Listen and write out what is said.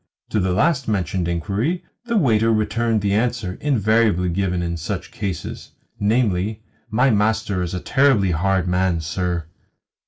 To the last mentioned inquiry the waiter returned the answer invariably given in such cases namely, "My master is a terribly hard man, sir."